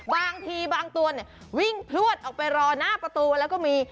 บางทีบางตัววิ่งพลวดออกไปรอหน้าประตูแล้วก็มี